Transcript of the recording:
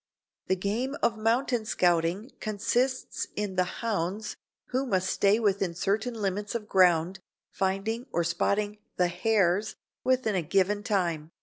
The game of mountain scouting consists in the "hounds," who must stay within certain limits of ground, finding or "spotting" the "hares" within a given time.